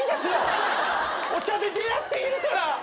お茶で出会っているから。